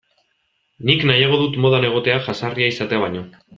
Nik nahiago dut modan egotea jazarria izatea baino.